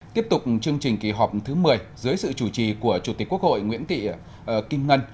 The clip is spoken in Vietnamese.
tiếp tục chương trình kỳ họp thứ một mươi dưới sự chủ trì của chủ tịch quốc hội nguyễn thị kim ngân